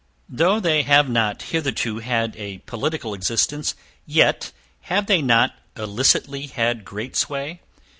though they have not hitherto had a political existence, yet, have they not illicitly had great sway?